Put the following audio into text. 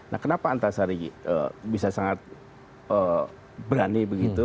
nah kenapa antasari bisa sangat berani begitu